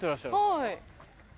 はい。